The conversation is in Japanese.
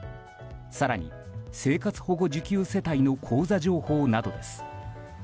更に生活保護受給世帯の口座情報などです。